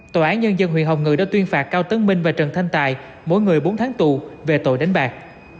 tòa án nhân dân huyện hồng ngự đã tuyên phạt cao tấn minh và trần thanh tài mỗi người bốn tháng tù về tội đánh bạc